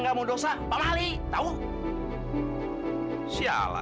dupa aku bakal sakit segala